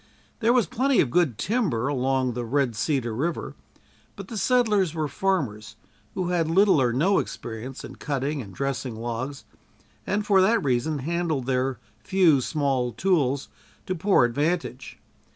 There was plenty of good timber along the Red Cedar river, but the settlers were farmers who had little or no experience in cutting and dressing logs and for that reason handled their few small tools to poor advantage.